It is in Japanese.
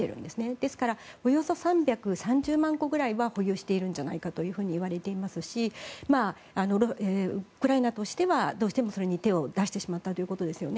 ですからおよそ３３０万個ぐらいは保有しているんじゃないかといわれていますしウクライナとしては、どうしてもそれに手を出してしまったということですよね。